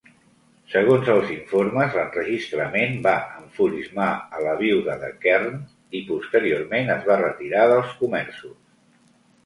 Segons els informes, l'enregistrament va enfurismar a la vídua de Kern i posteriorment es va retirar dels comerços.